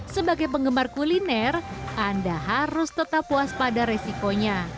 sebagai penggemar kuliner anda harus tetap puas pada resikonya